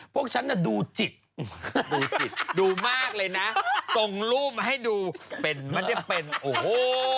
พวกฉันน่ะดูจิตดูจิตดูมากเลยนะส่งรูปมาให้ดูเป็นไม่ได้เป็นโอ้โห